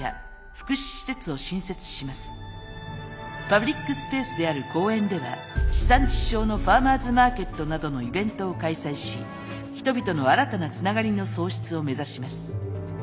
パブリックスペースである公園では地産地消のファーマーズマーケットなどのイベントを開催し人々の新たなつながりの創出を目指します。